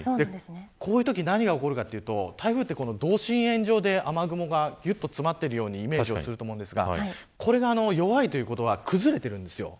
こういうとき何が起こるかというと同心円状で雨雲がぎゅっと詰まっているようなイメージをすると思いますがこれが弱いということは崩れているんです。